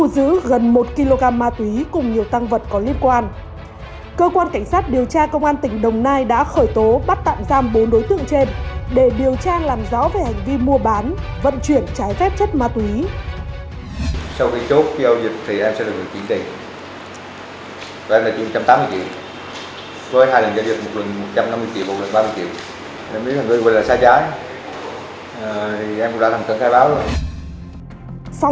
xin chào và hẹn gặp lại các bạn trong những video tiếp theo